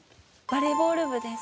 バレーボール部です。